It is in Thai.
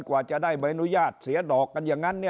กว่าจะได้ออนไลน์เศรียดอกนั้นที